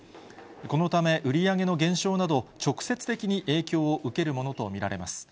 このため、売り上げの減少など、直接的に影響を受けるものと見られます。